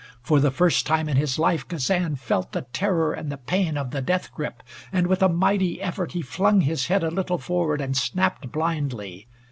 For the first time in his life Kazan felt the terror and the pain of the death grip, and with a mighty effort he flung his head a little forward and snapped blindly.